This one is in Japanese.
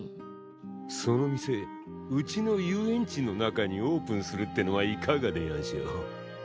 その店うちの遊園地の中にオープンするってのはいかがでやんしょ？